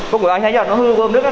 có người anh thấy nó hư bơm nước á